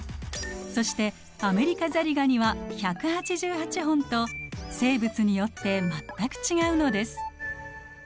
そしてアメリカザリガニは１８８本と生物によって全く違うのです。